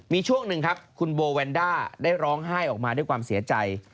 มีช่วงหนึ่งครับคุณโบแวนด้าได้ร้องไห้ออกมาด้วยความเสียใจ